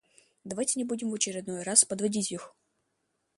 Давайте не будем в очередной раз подводить их!